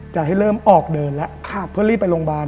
จะให้เริ่มออกเดินแล้วเพื่อรีบไปโรงพยาบาล